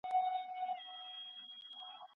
بالښتونه، بخملي څونډي یې زانګي